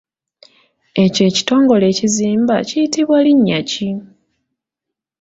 Ekyo ekitongole ekizimba kiyitibwa linnya ki?